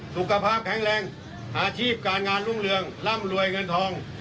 สุขภาพแข็งแรงอาชีพการงานรุ่งเรืองร่ำรวยเงินทอง